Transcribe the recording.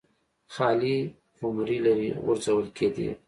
خالي خُمرې لرې غورځول کېدې.